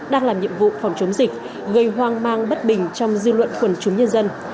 đang làm nhiệm vụ phòng chống dịch gây hoang mang bất bình trong dư luận quần chúng nhân dân